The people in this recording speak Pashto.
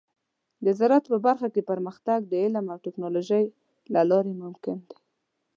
د زراعت په برخه کې پرمختګ د علم او ټیکنالوجۍ له لارې ممکن دی.